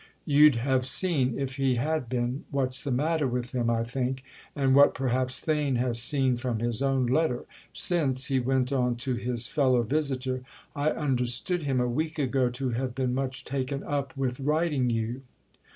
"You'd have seen, if he had been, what's the matter with him, I think—and what perhaps Theign has seen from his own letter: since," he went on to his fellow visitor, "I understood him a week ago to have been much taken up with writing you."